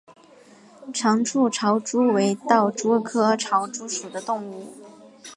长触潮蛛为盗蛛科潮蛛属的动物。